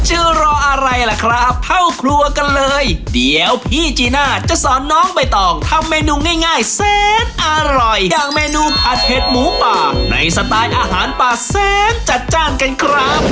จะรออะไรล่ะครับเข้าครัวกันเลยเดี๋ยวพี่จีน่าจะสอนน้องใบตองทำเมนูง่ายแสนอร่อยอย่างเมนูผัดเห็ดหมูป่าในสไตล์อาหารป่าแสนจัดจ้านกันครับ